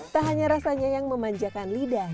tak hanya rasanya yang memanjakan lidah